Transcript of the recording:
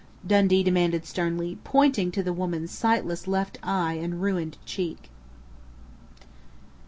Dundee demanded sternly, pointing to the woman's sightless left eye and ruined cheek.